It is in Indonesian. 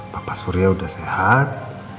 papa surya udah sehat